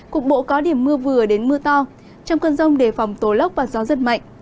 cục bộ có điểm mưa vừa đến mưa to trong cơn rông đề phòng tố lốc và gió rất mạnh